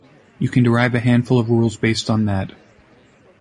You can derive a handful of rules based on that.